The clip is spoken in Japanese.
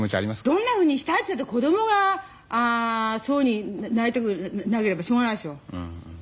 どんなふうにしたいっつったって子供がそういうふうになりたくなければしょうがないでしょ。